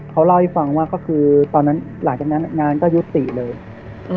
เขาเล่าให้ฟังว่าก็คือตอนนั้นหลังจากนั้นงานก็ยุติเลยอืม